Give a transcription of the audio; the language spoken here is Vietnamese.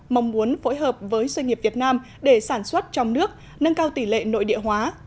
mong muốn phối hợp với doanh nghiệp việt nam để sản xuất trong nước nâng cao tỷ lệ nội địa hóa